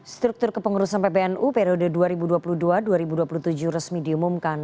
struktur kepengurusan pbnu periode dua ribu dua puluh dua dua ribu dua puluh tujuh resmi diumumkan